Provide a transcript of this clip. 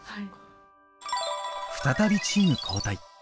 再びチーム交代。